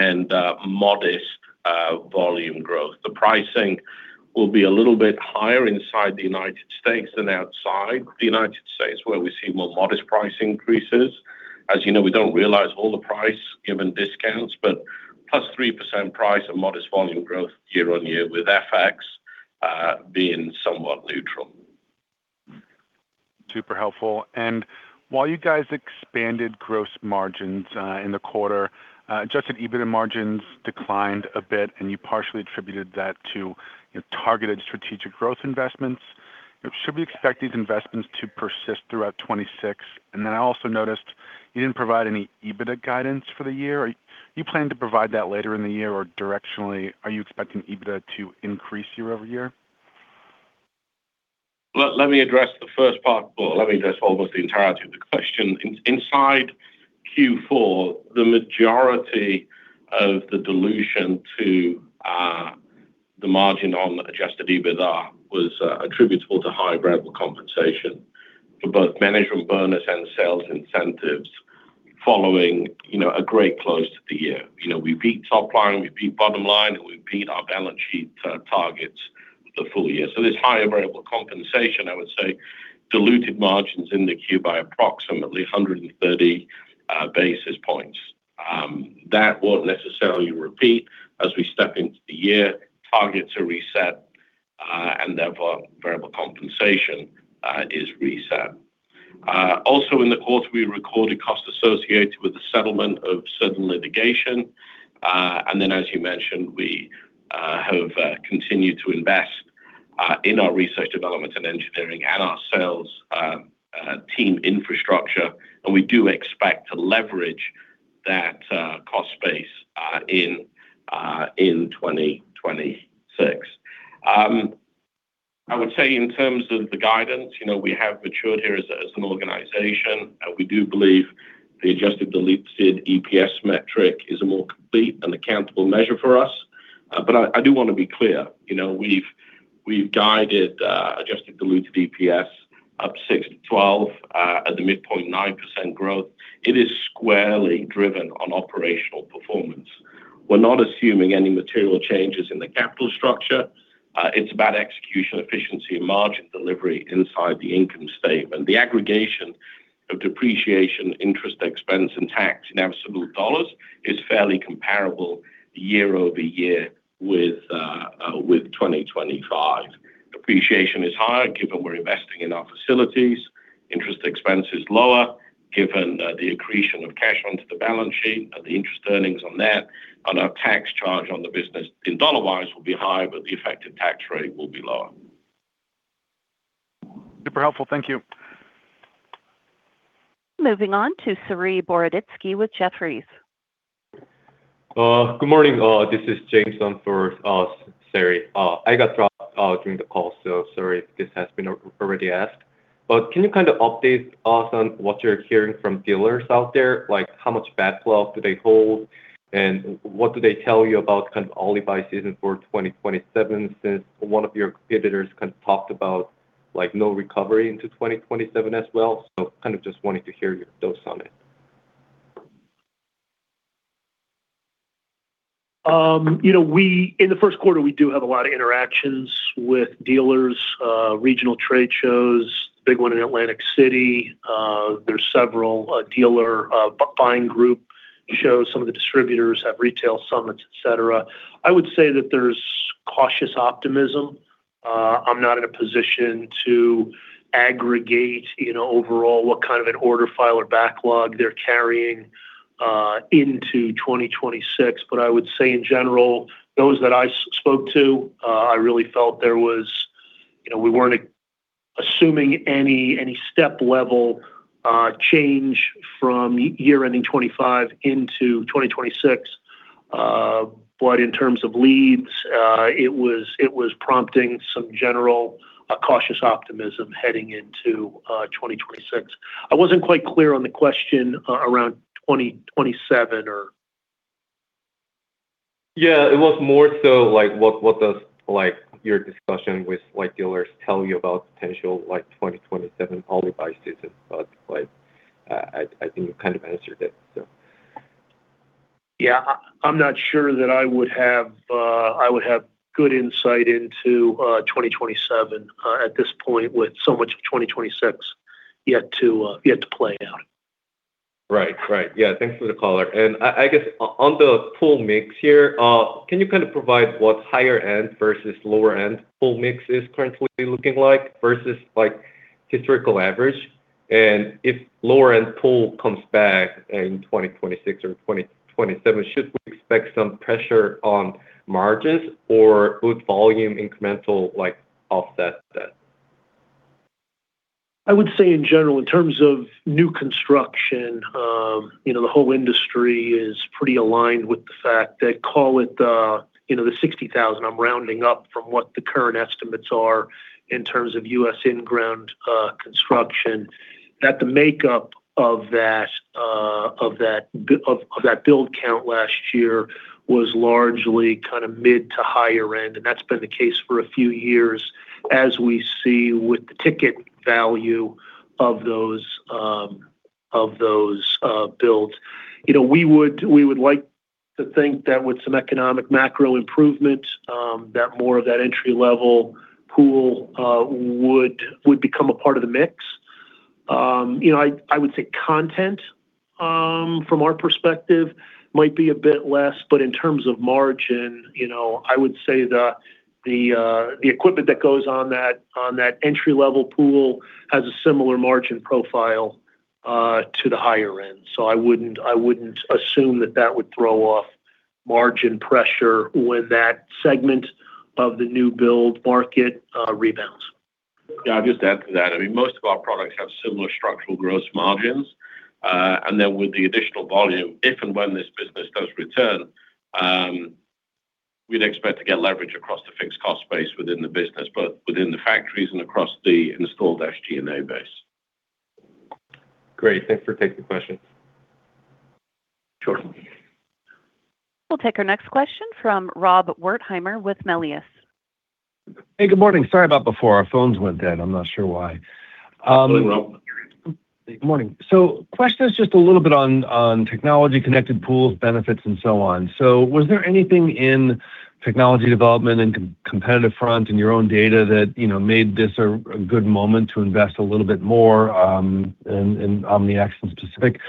and modest volume growth. The pricing will be a little bit higher inside the United States than outside the United States, where we see more modest price increases. As you know, we don't realize all the price given discounts, but +3% price and modest volume growth year-on-year, with FX being somewhat neutral. Super helpful. While you guys expanded gross margins, in the quarter, Adjusted EBITDA margins declined a bit, and you partially attributed that to your targeted strategic growth investments. Should we expect these investments to persist throughout 2026? I also noticed you didn't provide any EBITDA guidance for the year. You plan to provide that later in the year or directionally, are you expecting EBITDA to increase year-over-year? Let me address the first part. Well, let me just almost the entirety of the question. Inside Q4, the majority of the dilution to the margin on Adjusted EBITDA was attributable to high variable compensation for both management bonus and sales incentives following, you know, a great close to the year. You know, we beat top line, we beat bottom line, and we beat our balance sheet targets the full year. This higher variable compensation, I would say, diluted margins in the Q by approximately 130 basis points. That won't necessarily repeat as we step into the year. Targets are reset, and therefore variable compensation is reset. Also in the quarter, we recorded costs associated with the settlement of certain litigation. As you mentioned, we have continued to invest in our research, development, and engineering, and our sales team infrastructure, and we do expect to leverage that cost base in 2026. I would say in terms of the guidance, you know, we have matured here as an organization. We do believe the adjusted diluted EPS metric is a more complete and accountable measure for us. I do want to be clear, you know, we've guided adjusted diluted EPS up six to 12, at the midpoint 9% growth. It is squarely driven on operational performance. We're not assuming any material changes in the capital structure. It's about execution, efficiency, and margin delivery inside the income statement. The aggregation of depreciation, interest expense, and tax in absolute dollars is fairly comparable year-over-year with 2025. Depreciation is higher, given we're investing in our facilities. Interest expense is lower, given the accretion of cash onto the balance sheet and the interest earnings on that, and our tax charge on the business in dollar-wise will be high, but the effective tax rate will be lower. Super helpful. Thank you. Moving on to Saree Boroditsky with Jefferies. Good morning, this is James on for Saree. I got dropped during the call, sorry if this has been already asked. Can you kind of update us on what you're hearing from dealers out there? How much backlog do they hold, and what do they tell you about kind of all buy season for 2027, since one of your competitors kind of talked about, like, no recovery into 2027 as well? Kind of just wanted to hear your thoughts on it. You know, in the first quarter, we do have a lot of interactions with dealers, regional trade shows, big one in Atlantic City. There's several dealer buying group shows. Some of the distributors have retail summits, et cetera. I would say that there's cautious optimism. I'm not in a position to aggregate, you know, overall what kind of an order file or backlog they're carrying into 2026. I would say in general, those that I spoke to, I really felt there was. You know, we weren't assuming any step level change from year ending 2025 into 2026. In terms of leads, it was prompting some general cautious optimism heading into 2026. I wasn't quite clear on the question around 2027 or? Yeah, it was more so like what does, like, your discussion with, like, dealers tell you about potential, like, 2027 all buy season, like, I think you kind of answered it. I'm not sure that I would have, I would have good insight into, 2027, at this point, with so much of 2026 yet to, yet to play out. Right. Right. Yeah, thanks for the call. I guess on the pool mix here, can you kind of provide what higher-end versus lower-end pool mix is currently looking like versus, like, historical average? If lower-end pool comes back in 2026 or 2027, should we expect some pressure on margins, or would volume incremental, like, offset that? I would say in general, in terms of new construction, you know, the whole industry is pretty aligned with the fact they call it, you know, the 60,000. I'm rounding up from what the current estimates are in terms of U.S. in-ground construction. The makeup of that build count last year was largely kind of mid to higher-end, and that's been the case for a few years as we see with the ticket value of those builds. You know, we would like to think that with some economic macro improvement, that more of that entry-level pool would become a part of the mix. You know, I would say content from our perspective, might be a bit less, but in terms of margin, you know, I would say that the equipment that goes on that entry-level pool has a similar margin profile to the higher-end. I wouldn't, I wouldn't assume that that would throw off margin pressure when that segment of the new build market rebounds. Yeah, I'll just add to that. I mean, most of our products have similar structural gross margins. With the additional volume, if and when this business does return, we'd expect to get leverage across the fixed cost base within the business, but within the factories and across the installed SG&A base. Great. Thanks for taking the question. Sure. We'll take our next question from Rob Wertheimer with Melius Research. Hey, good morning. Sorry about before. Our phones went dead. I'm not sure why. Hello, Rob. Good morning. Question is just a little bit on technology, connected pools, benefits, and so on. Was there anything in technology development and competitive front in your own data that, you know, made this a good moment to invest a little bit more in OmniX in specific?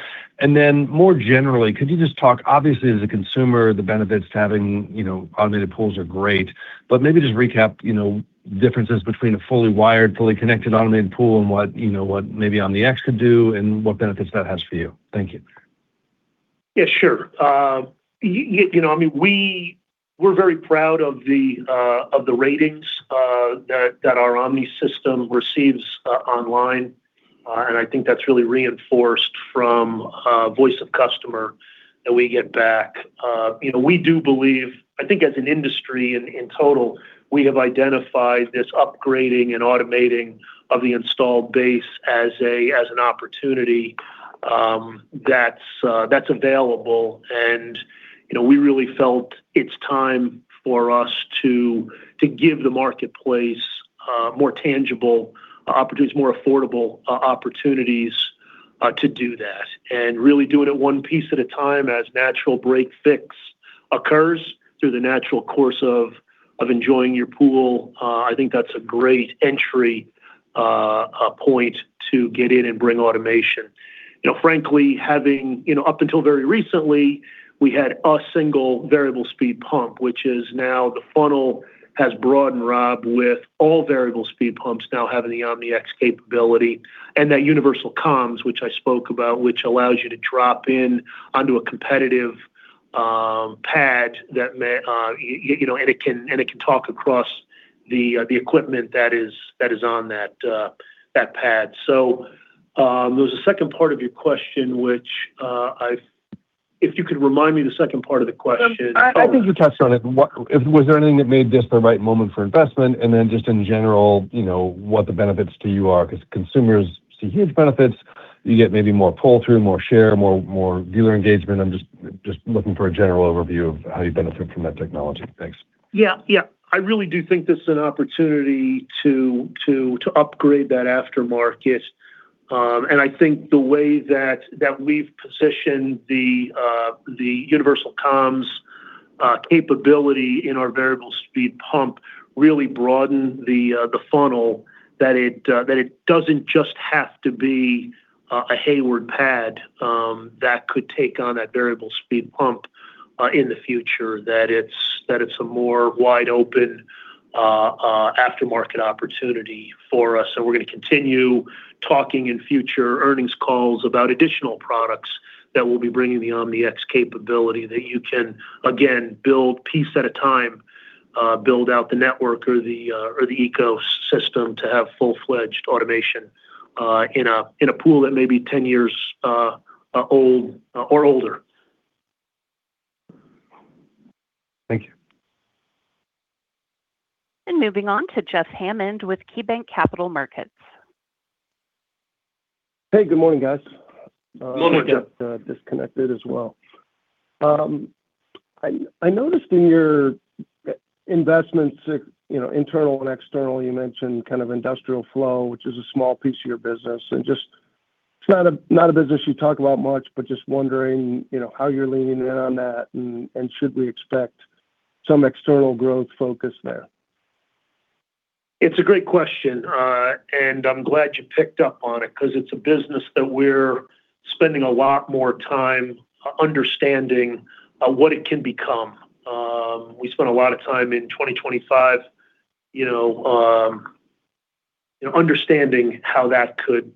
More generally, could you just Obviously, as a consumer, the benefits to having, you know, automated pools are great, but maybe just recap, you know, differences between a fully wired, fully connected automated pool and what, you know, what maybe OmniX could do and what benefits that has for you? Thank you. Yeah, sure. you know, I mean, we're very proud of the ratings that our Omni system receives online, and I think that's really reinforced from voice of customer that we get back. You know, we do believe, I think as an industry in total, we have identified this upgrading and automating of the installed base as an opportunity that's available, and, you know, we really felt it's time for us to give the marketplace more tangible opportunities, more affordable opportunities to do that. Really doing it one piece at a time as natural break-fix occurs through the natural course of enjoying your pool, I think that's a great entry point to get in and bring automation. you know, frankly, having, you know, up until very recently, we had a single variable speed pump, which is now the funnel has broadened, Rob, with all variable speed pumps now having the OmniX capability. That universal comms, which I spoke about, which allows you to drop in onto a competitive pad that may, you know, and it can, and it can talk across the equipment that is, that is on that pad. There was a second part of your question, which, if you could remind me the second part of the question. I think you touched on it. Was there anything that made this the right moment for investment? Then just in general, you know, what the benefits to you are? Consumers see huge benefits. You get maybe more pull-through, more share, more dealer engagement. I'm just looking for a general overview of how you benefit from that technology. Thanks. Yeah. Yeah. I really do think this is an opportunity to upgrade that aftermarket. I think the way that we've positioned the universal comms capability in our variable speed pump really broadened the funnel that it doesn't just have to be a Hayward pad that could take on that variable speed pump in the future, that it's a more wide-open aftermarket opportunity for us. We're gonna continue talking in future earnings calls about additional products that will be bringing the OmniX capability, that you can, again, build piece at a time, build out the network or the ecosystem to have full-fledged automation in a pool that may be 10 years old or older. Thank you. Moving on to Jeff Hammond with KeyBanc Capital Markets. Hey, good morning, guys. Good morning, Jeff. Disconnected as well. I noticed in your investments, you know, internal and external, you mentioned kind of industrial flow, which is a small piece of your business. Just, it's not a business you talk about much, but just wondering, you know, how you're leaning in on that, and should we expect some external growth focus there? It's a great question, I'm glad you picked up on it because it's a business that we're spending a lot more time understanding what it can become. We spent a lot of time in 2025, you know, understanding how that could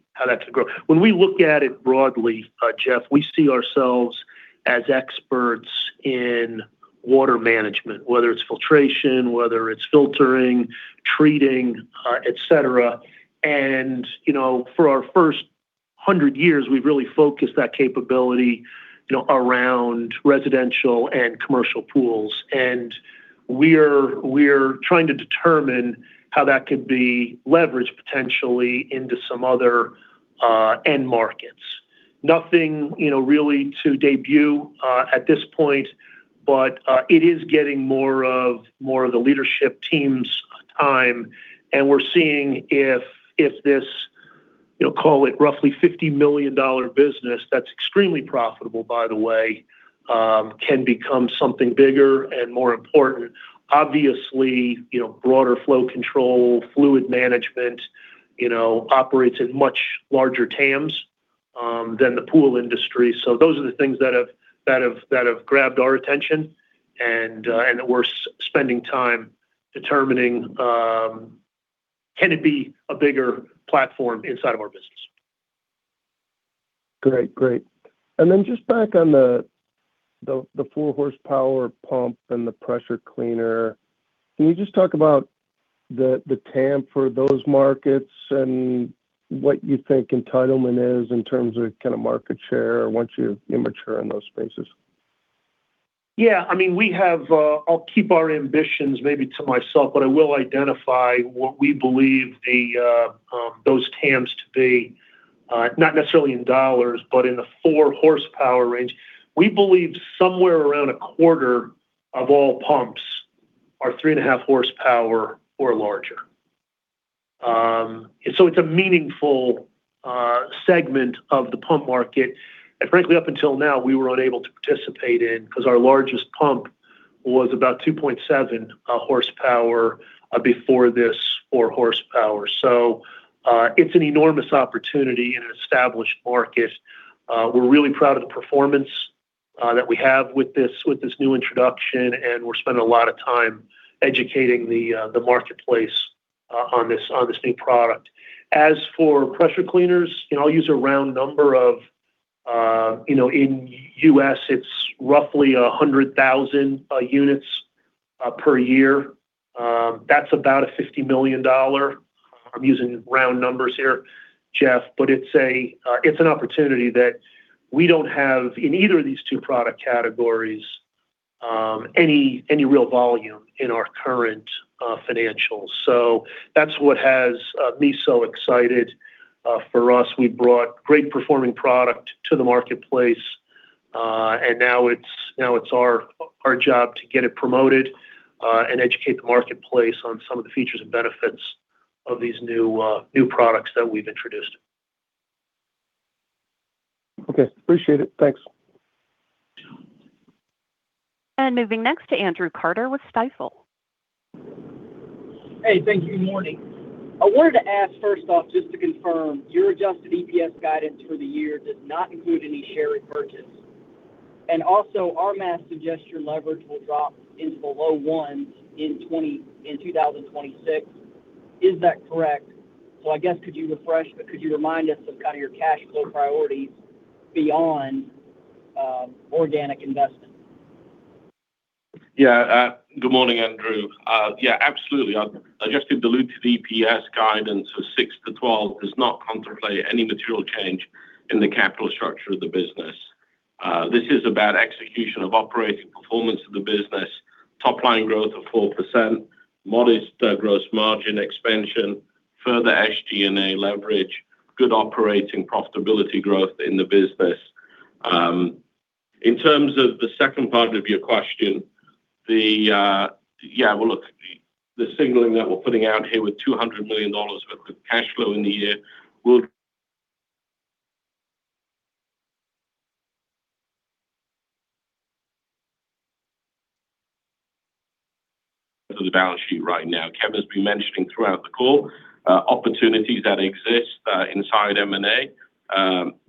grow. When we look at it broadly, Jeff, we see ourselves as experts in water management, whether it's filtration, whether it's filtering, treating, et cetera. You know, for our first 100 years, we've really focused that capability, you know, around residential and commercial pools. We're trying to determine how that could be leveraged potentially into some other end markets. Nothing, you know, really to debut at this point, it is getting more of the leadership team's time, and we're seeing if this, you know, call it roughly $50 million business, that's extremely profitable, by the way, can become something bigger and more important. Obviously, you know, broader flow control, fluid management, you know, operates in much larger TAMs than the pool industry. Those are the things that have grabbed our attention and we're spending time determining, can it be a bigger platform inside of our business. Great. Great. Then just back on the 4-hp pump and the pressure cleaner, can you just talk about the TAM for those markets and what you think entitlement is in terms of kind of market share once you're mature in those spaces? Yeah, I mean, we have. I'll keep our ambitions maybe to myself, but I will identify what we believe the TAMs to be, not necessarily in dollars, but in the 4 hp range. We believe somewhere around a quarter of all pumps are 3.5 hp or larger. It's a meaningful segment of the pump market, and frankly, up until now, we were unable to participate in because our largest pump was about 2.7 hp before this 4 hp. It's an enormous opportunity in an established market. We're really proud of the performance that we have with this, with this new introduction, and we're spending a lot of time educating the marketplace on this, on this new product. As for pressure cleaners, and I'll use a round number of, you know, in U.S., it's roughly 100,000 units per year. That's about $50 million. I'm using round numbers here, Jeff, but it's an opportunity that we don't have in either of these two product categories, any real volume in our current financials. That's what has me so excited. For us, we brought great performing product to the marketplace, and now it's our job to get it promoted, and educate the marketplace on some of the features and benefits of these new products that we've introduced. Okay. Appreciate it. Thanks. Moving next to Andrew Carter with Stifel. Hey, thank you. Morning. I wanted to ask, first off, just to confirm, your adjusted EPS guidance for the year does not include any share repurchase. Also, our math suggests your leverage will drop into the low ones in 2026. Is that correct? I guess could you refresh, but could you remind us of kind of your cash flow priorities beyond organic investment? Good morning, Andrew. Absolutely. Adjusted diluted EPS guidance for six to 12 does not contemplate any material change in the capital structure of the business. This is about execution of operating performance of the business, top line growth of 4%, modest gross margin expansion, further SG&A leverage, good operating profitability growth in the business. In terms of the second part of your question, the signaling that we're putting out here with $200 million of cash flow in the year with the balance sheet right now. Kevin's been mentioning throughout the call, opportunities that exist inside M&A.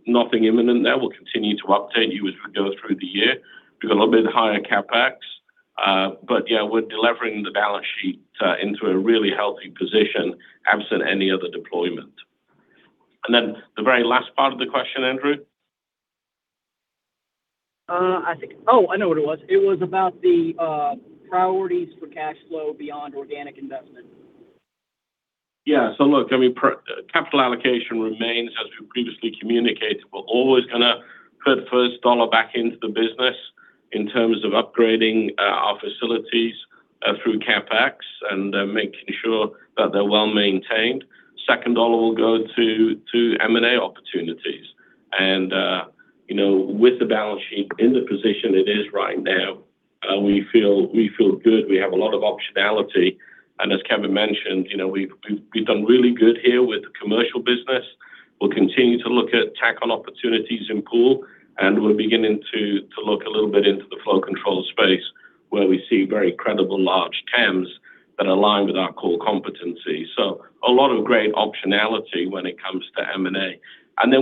Nothing imminent there. We'll continue to update you as we go through the year with a little bit higher CapEx. Yeah, we're delivering the balance sheet, into a really healthy position, absent any other deployment. The very last part of the question, Andrew? I know what it was. It was about the priorities for cash flow beyond organic investment. Capital allocation remains as we previously communicated. We're always gonna put first dollar back into the business in terms of upgrading our facilities through CapEx and making sure that they're well-maintained. Second dollar will go to M&A opportunities. You know, with the balance sheet in the position it is right now, we feel good. We have a lot of optionality, and as Kevin mentioned, you know, we've done really good here with the commercial business. We'll continue to look at tack-on opportunities in pool, and we're beginning to look a little bit into the flow control space, where we see very credible large TAMs that align with our core competency. A lot of great optionality when it comes to M&A.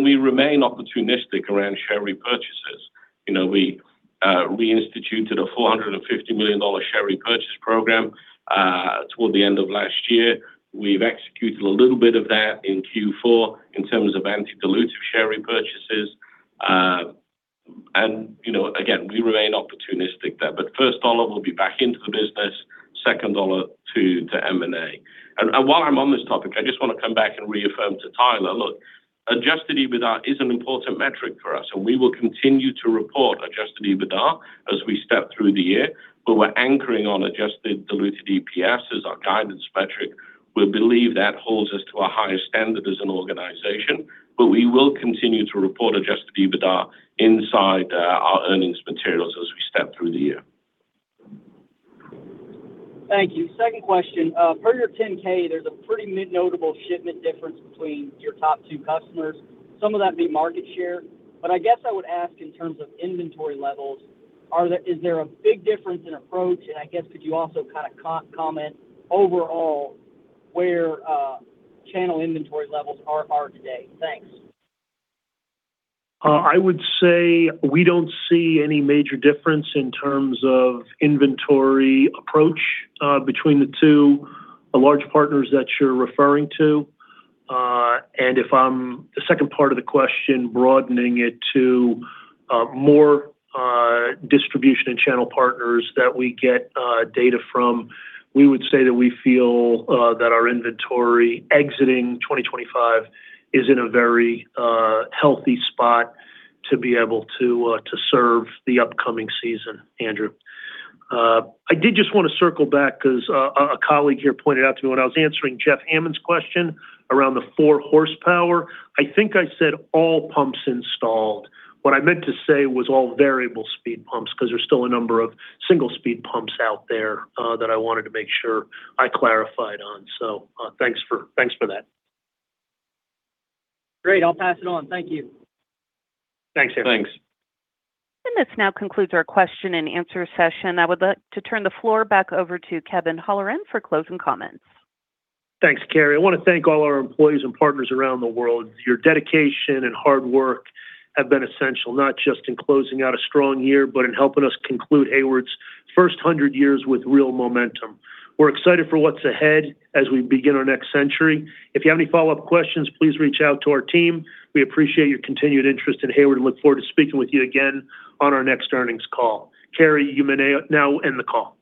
We remain opportunistic around share repurchases. You know, we reinstituted a $450 million share repurchase program toward the end of last year. We've executed a little bit of that in Q4 in terms of anti-dilutive share repurchases. You know, again, we remain opportunistic there. First dollar will be back into the business, second dollar to M&A. While I'm on this topic, I just wanna come back and reaffirm to Tyler, look, Adjusted EBITDA is an important metric for us, and we will continue to report Adjusted EBITDA as we step through the year. We're anchoring on adjusted diluted EPS as our guidance metric. We believe that holds us to a higher standard as an organization, but we will continue to report Adjusted EBITDA inside our earnings materials as we step through the year. Thank you. Second question. per your Form 10-K, there's a pretty mid notable shipment difference between your top two customers. Some of that being market share, but I guess I would ask in terms of inventory levels, is there a big difference in approach? And I guess, could you also kinda co-comment overall where channel inventory levels are today? Thanks. I would say we don't see any major difference in terms of inventory approach between the two large partners that you're referring to. The second part of the question, broadening it to more distribution and channel partners that we get data from, we would say that we feel that our inventory exiting 2025 is in a very healthy spot to be able to serve the upcoming season, Andrew. I did just wanna circle back because a colleague here pointed out to me when I was answering Jeff Hammond's question around the 4 hp. I think I said all pumps installed. What I meant to say was all variable speed pumps, 'cause there's still a number of single speed pumps out there that I wanted to make sure I clarified on. Thanks for that. Great! I'll pass it on. Thank you. Thanks, everyone. Thanks. This now concludes our question and answer session. I would like to turn the floor back over to Kevin Holleran for closing comments. Thanks, Carrie. I wanna thank all our employees and partners around the world. Your dedication and hard work have been essential, not just in closing out a strong year, but in helping us conclude Hayward's first 100 years with real momentum. We're excited for what's ahead as we begin our next century. If you have any follow-up questions, please reach out to our team. We appreciate your continued interest in Hayward and look forward to speaking with you again on our next earnings call. Carrie, you may now end the call.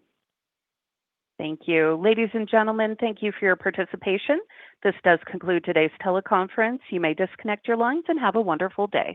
Thank you. Ladies and gentlemen, thank you for your participation. This does conclude today's teleconference. You may disconnect your lines and have a wonderful day.